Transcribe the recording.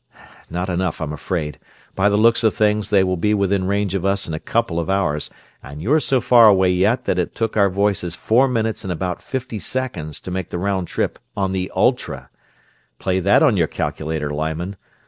"Not enough, I'm afraid. By the looks of things they will be within range of us in a couple of hours, and you're so far away yet that it took our voices four minutes and about fifty seconds to make the round trip, on the ultra! Play that on your calculator, Lyman!